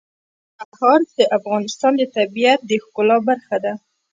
کندهار د افغانستان د طبیعت د ښکلا برخه ده.